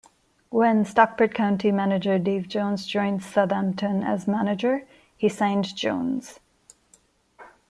When Stockport County manager Dave Jones joined Southampton as manager, he signed Jones.